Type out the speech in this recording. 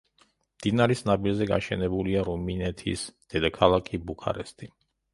მდინარის ნაპირზე გაშენებულია რუმინეთის დედაქალაქი ბუქარესტი.